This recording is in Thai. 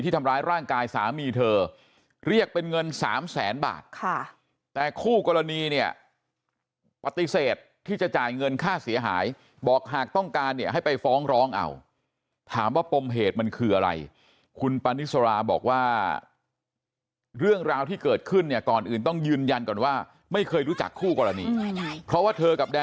ทำร้ายร่างกายจนเจ็บหนัก